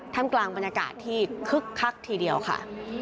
ทำกลางบรรยากาศที่คึกคักทีเดียวค่ะ